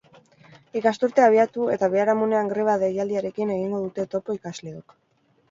Ikasturtea abiatu eta biharamunean greba deialdiarekin egingo dute topo ikasleok.